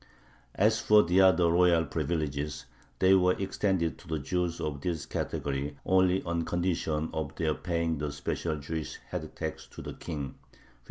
As for the other royal privileges, they were extended to the Jews of this category only on condition of their paying the special Jewish head tax to the King (1549).